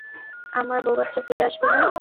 আমার বউ-বাচ্চা ফিরে আসবে না।